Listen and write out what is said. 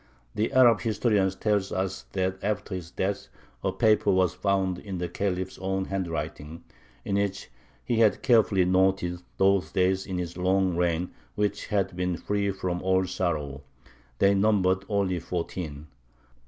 The Arab historian tells us that after his death a paper was found in the Khalif's own handwriting, in which he had carefully noted those days in his long reign which had been free from all sorrow; they numbered only fourteen.